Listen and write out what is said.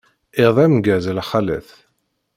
Iḍ ameggaz a lxalat.